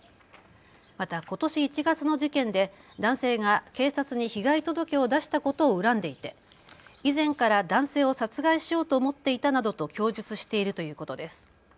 また、ことし１月の事件で男性が警察に被害届を出したことを恨んでいて以前から男性を殺害しようと思っていたなどと供述しているということです。